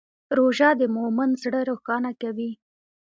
روژه د مؤمن زړه روښانه کوي.